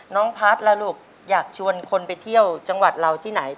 น้องพัฒน์ล่ะลูกอยากชวนคนไปเที่ยวจังหวัดเราที่ไหน